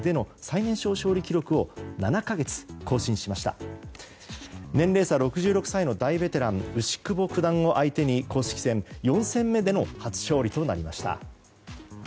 年齢差６６歳の大ベテラン牛窪九段を相手に公式戦４戦目での初勝利となりました。